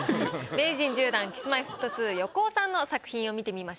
名人１０段Ｋｉｓ−Ｍｙ−Ｆｔ２横尾さんの作品を見てみましょう。